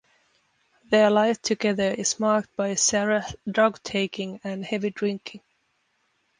Their life together is marked by Sarah's drug-taking and heavy drinking.